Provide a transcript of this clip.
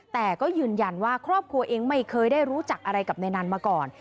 แต่ก็ยืนยันว่าครอบครัวเองไม่เคยได้รู้จักอะไรกับนายนันมาก่อน